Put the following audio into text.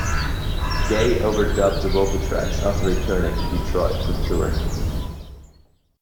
Gaye overdubbed the vocal tracks after returning to Detroit from touring.